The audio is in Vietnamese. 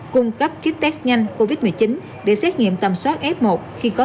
cung cấp kit test nhanh covid một mươi chín để xét nghiệm tầm soát f một khi có